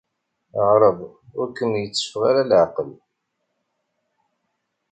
Ɛreḍ ur kem-yetteffeɣ ara leɛqel.